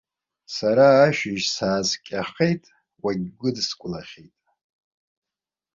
Сара ашьыжь сааскьахьеит, уагьгәыдыскылахьеит.